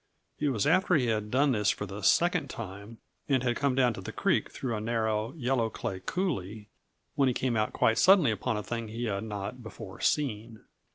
It was after he had done this for the second time and had come down to the creek through a narrow, yellow clay coulee that he came out quite suddenly upon a thing he had not before seen.